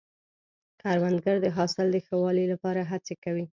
کروندګر د حاصل د ښه والي لپاره هڅې کوي